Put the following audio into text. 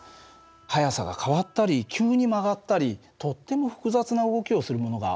速さが変わったり急に曲がったりとっても複雑な動きをするものが多いでしょ。